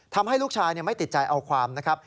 ทำให้ลูกชายไม่ติดใจเอาความนะครับ